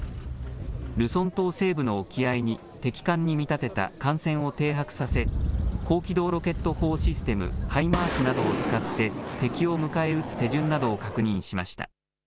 ルソン島西部の沖合に敵艦に見立てた艦船を停泊させ、高機動ロケット砲システム・ハイマースなどを使って、敵を迎え撃つ手順などを確認しました。